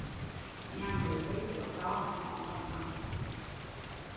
Nhà mới xây quá to, ngó tôộng hôổng